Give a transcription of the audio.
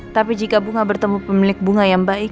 tapi jika bunga bertemu pemilik bunga yang baik